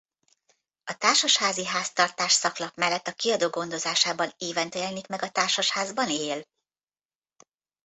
A Társasházi Háztartás szaklap mellett a kiadó gondozásában évente elenik meg a Társasházban él?